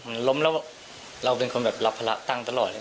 มันล้มแล้วเราเป็นคนแบบรับภาระตั้งตลอดเลย